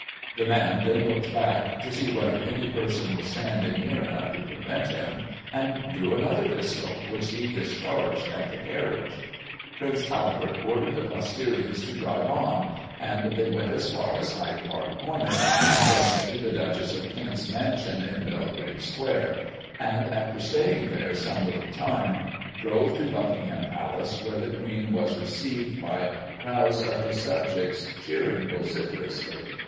The man then looked back, to see whether any person was standing near enough to prevent him, and drew another pistol, which he discharged at the carriage. Prince Albert ordered the postillions to drive on, and they went as far as Hyde Park Corner, and thence to the Duchess of Kent's mansion in Belgrave Square, and, after staying there some little time, drove to Buckingham Palace, where the Queen was Digiti ized by Google 1840] EDWARD OXFORD. 137 received by crowds of her subjects, cheering vociferously.